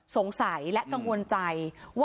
สงสัยและกังวลใจว่า